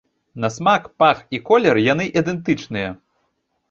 На смак, пах і колер яны ідэнтычныя.